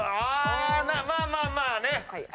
まあまあまあね。